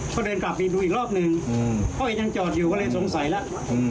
ก็เดินกลับไปดูอีกรอบหนึ่งก็ยังจอดอยู่ก็เลยสงสัยแล้ว